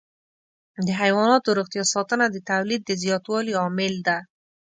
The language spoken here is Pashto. د حيواناتو روغتیا ساتنه د تولید د زیاتوالي عامل ده.